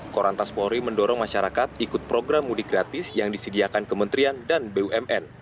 korantas polri mendorong masyarakat ikut program mudik gratis yang disediakan kementerian dan bumn